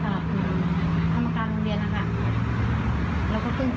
ชาบค่ะถ้าจากธรรมการรองเรียนเราก็ช่วยชาบข้างกลางด้วย